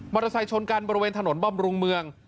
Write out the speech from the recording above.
เตอร์ไซค์ชนกันบริเวณถนนบำรุงเมือง